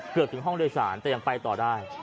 เกือบถึงห้องโดยสารแต่ยังไปต่อได้